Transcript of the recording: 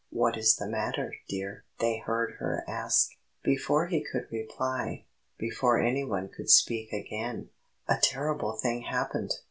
"What is the matter, dear?" they heard her ask. Before he could reply, before any one could speak again, a terrible thing happened.